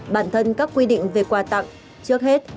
bản thân các quy định về quà tặng trước hết